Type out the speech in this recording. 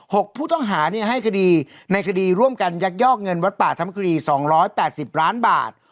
หกผู้ต้องหาเนี่ยให้คดีในคดีร่วมกันยักยอกเงินวัดป่าธรรมครีสองร้อยแปดสิบล้านบาท